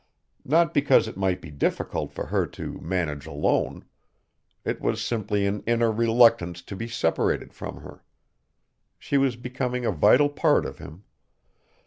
Not because it might be difficult for her to manage alone. It was simply an inner reluctance to be separated from her. She was becoming a vital part of him.